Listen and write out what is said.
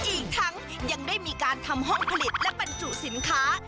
อีกทั้งยังได้มีการทำห้องผลิตและบรรจุสินค้า